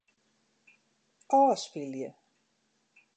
Ofspylje.